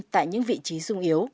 tại những vị trí sung yếu